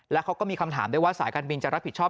แล้วเขาก็มีคำถามด้วยว่าสายการบินจะรับผิดชอบ